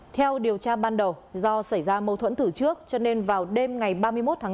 theo điều tra ban đầu do xảy ra mâu thuẫn thử trước cho nên vào đêm ngày ba mươi một tháng năm